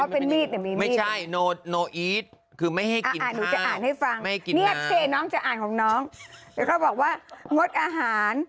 ภูนี้๘โมงเช้าตาย